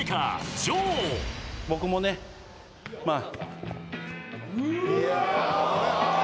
僕もねまあ。